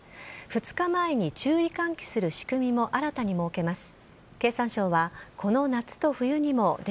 ２日前に注意喚起する仕組みも新たに設けます。